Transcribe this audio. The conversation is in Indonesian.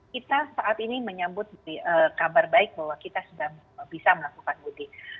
kita saat ini menyambut kabar baik bahwa kita sudah bisa melakukan mudik